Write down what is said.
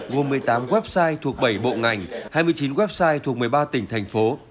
gồm một mươi tám website thuộc bảy bộ ngành hai mươi chín website thuộc một mươi ba tỉnh thành phố